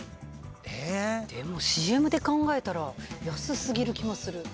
でもＣＭで考えたら安過ぎる気もする。